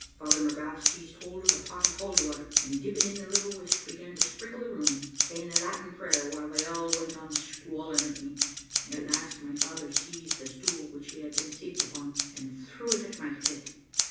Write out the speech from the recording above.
Father McGrath seized hold of the pot of holy water, and dipping in the little whisk, began to sprinkle the room, saying a Latin prayer, while they all went on squalling at me. At last, my father seized the stool, which he had been seated upon, and threw it at my head.